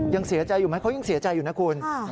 ยังเสียใจอยู่ไหมเขายังเสียใจอยู่นะคุณ